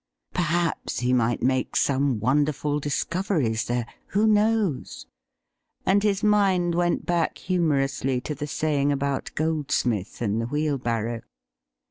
Perhaps he might make some wonderful discoveries there — who knows ? And his mind went back humorously to the saying about Goldsmith and the wheelbarrow.